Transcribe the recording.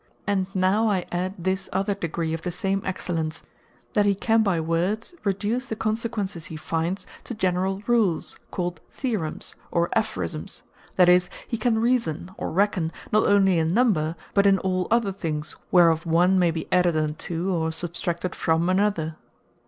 And now I adde this other degree of the same excellence, that he can by words reduce the consequences he findes to generall Rules, called Theoremes, or Aphorismes; that is, he can Reason, or reckon, not onely in number; but in all other things, whereof one may be added unto, or substracted from another.